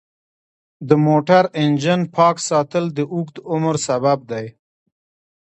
د موټر انجن پاک ساتل د اوږد عمر سبب دی.